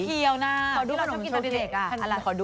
ขนมโตเกียวค่ะ